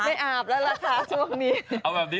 ไม่อาบแล้วรักษาช่วงนี้